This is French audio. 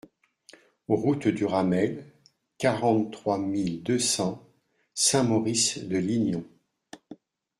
Route du Ramel, quarante-trois mille deux cents Saint-Maurice-de-Lignon